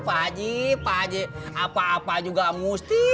apa aja apa apa juga musti